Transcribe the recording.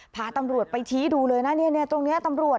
พาตำรวจไปชี้ดูเลยนะเนี่ยตรงนี้ตำรวจ